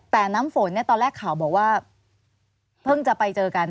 แต่น้ำฝนตอนแรกข่าวบอกว่าเพิ่งจะไปเจอกัน